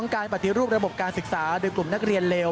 การปฏิรูประบบการศึกษาโดยกลุ่มนักเรียนเลว